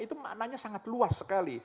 itu maknanya sangat luas sekali